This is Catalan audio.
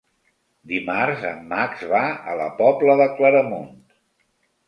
Dimarts en Max va a la Pobla de Claramunt.